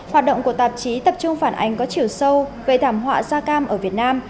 hoạt động của tạp chí tập trung phản ánh có chiều sâu về thảm họa da cam ở việt nam